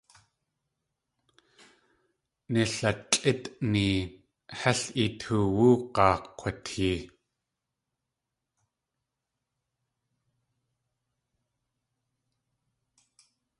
Nilatlʼítni hél i toowú g̲aa kg̲watee.